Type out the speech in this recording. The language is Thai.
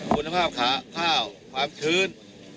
คุณภาพขาข้าวความชื้น